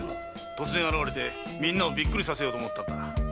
突然現れてみんなをびっくりさせようと思ってな。